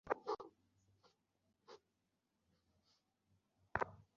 আমি তাকে একটা অফার করতেছি, সে অস্বীকার করতে পারবে না।